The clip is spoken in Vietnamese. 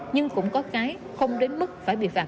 nhưng cũng có cái không đến mức phải bị phạt